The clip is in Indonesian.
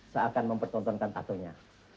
seakan mempertontonkan tatunya